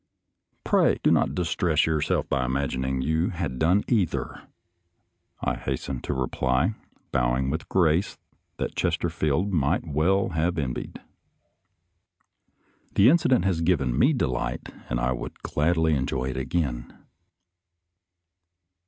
" Pray do not distress yourself by imagining you have done either," I hastened to reply, bow ing with a grace that Chesterfield might well have envied. " The incident has given me a delight I would gladly enjoy again."